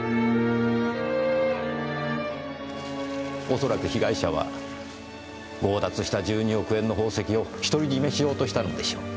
恐らく被害者は強奪した１２億円の宝石を独り占めしようとしたのでしょう。